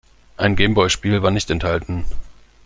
Ein Game-Boy-Spiel war nicht enthalten.